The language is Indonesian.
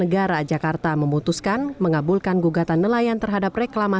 pembetul popis dki jakarta memutuskan mengabulkan gugatan nelayan terhadap reklaman